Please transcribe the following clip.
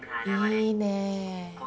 いいねえ！